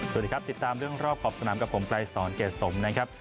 สวัสดีครับติดตามเรื่องรอบขอบสนามกับผมไกลสอนเกรดสมนะครับ